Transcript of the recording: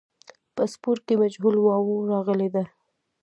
په سپور کې مجهول واو راغلی دی.